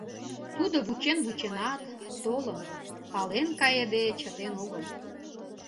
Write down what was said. Тудо вучен-вученат, толын, пален кайыде чытен огыл.